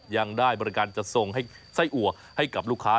ยังได้บริการจัดส่งให้ไส้อัวให้กับลูกค้า